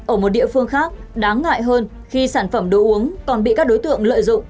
ở một địa phương khác đáng ngại hơn khi sản phẩm đồ uống còn bị các đối tượng lợi dụng